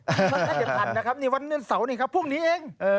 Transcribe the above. ไม่ทันนะครับนี่วันเนื้อสาวนี่ครับพรุ่งนี้เอ่ง